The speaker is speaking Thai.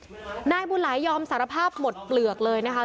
นายบุญหลายยอมสารภาพหมดเปลือกเลยนะคะ